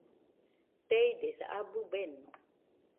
Teidesa, abɨ beno